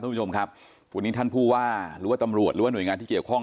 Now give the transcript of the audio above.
คุณผู้ชมครับวันนี้ท่านผู้ว่าหรือว่าตำรวจหรือว่าหน่วยงานที่เกี่ยวข้อง